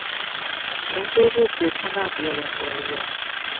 前些日子看到別人留言